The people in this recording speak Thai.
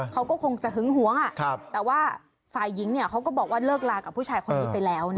เขาก็คงจะหึงหวงแต่ว่าฝ่ายหญิงเขาก็บอกว่าเลิกลากับผู้ชายคนนี้ไปแล้ว